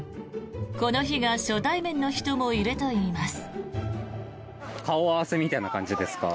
この日が初対面の人もいるといいます。